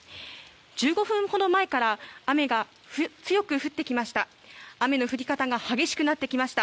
１５分ほど前から雨が強く降ってきました。